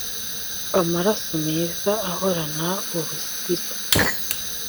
amaraso meza ahorana ubusire